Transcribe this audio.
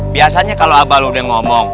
biasanya kalau abah lo udah ngomong